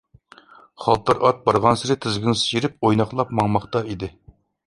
خالتار ئات بارغانسېرى تىزگىن سىيرىپ، ئويناقلاپ ماڭماقتا ئىدى.